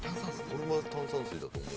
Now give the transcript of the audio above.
俺は炭酸水だと思う。